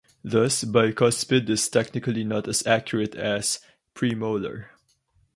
Thus, "bicuspid" is technically not as accurate as "premolar".